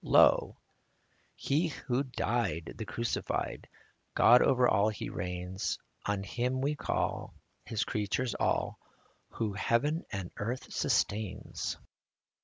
Lo ! He who died, the Crucified, God over all He reigns • On Him we call, His creatures all, Who heaven and earth sustains.